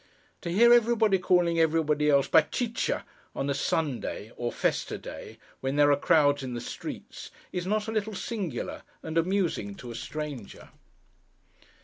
To hear everybody calling everybody else Batcheetcha, on a Sunday, or festa day, when there are crowds in the streets, is not a little singular and amusing to a stranger.